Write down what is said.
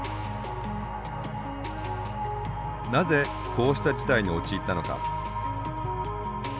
なぜこうした事態に陥ったのか。